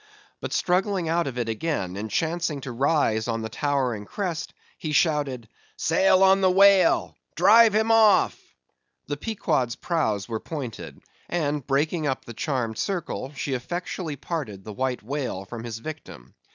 But struggling out of it again, and chancing to rise on a towering crest, he shouted,—"Sail on the whale!—Drive him off!" The Pequod's prows were pointed; and breaking up the charmed circle, she effectually parted the white whale from his victim.